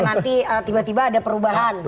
nanti tiba tiba ada perubahan